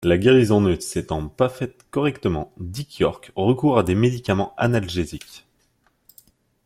La guérison ne s'étant pas faite correctement, Dick York recourt à des médicaments analgésiques.